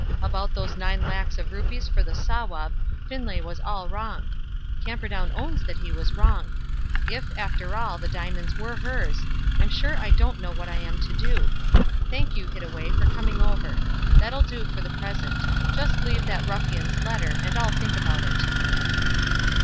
About those nine lacs of rupees for the Sawab, Finlay was all wrong. Camperdown owns that he was wrong. If, after all, the diamonds were hers, I'm sure I don't know what I am to do. Thank you, Hittaway, for coming over. That'll do for the present. Just leave that ruffian's letter, and I'll think about it."